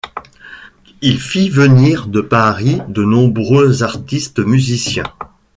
Il fit venir de Paris de nombreux artistes musiciens.